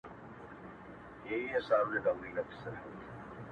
جنته ستا د مخ د لمر رڼا ته درېږم”